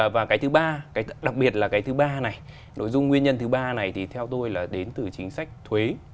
và cái thứ ba cái đặc biệt là cái thứ ba này nội dung nguyên nhân thứ ba này thì theo tôi là đến từ chính sách thuế